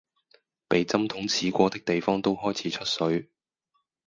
被針筒刺過的地方都開始出水